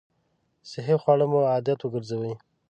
صحي خواړه مو عادت وګرځوئ!